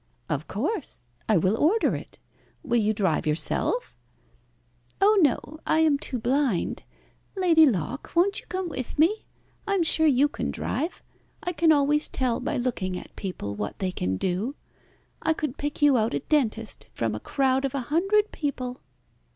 "Of course. I will order it. Will you drive yourself?" "Oh no, I am too blind. Lady Locke, won't you come with me? I am sure you can drive. I can always tell by looking at people what they can do. I could pick you out a dentist from a crowd of a hundred people."